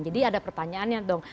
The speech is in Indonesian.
jadi ada pertanyaannya dong